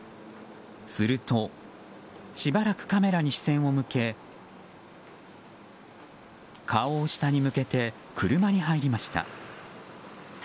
すると、しばらくカメラに視線を向け顔を下に向けて車に入りました。